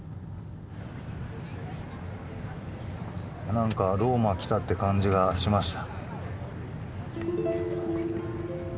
何かローマ来たって感じがしました。